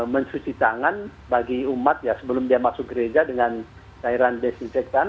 mencuci tangan bagi umat ya sebelum dia masuk gereja dengan cairan desinfektan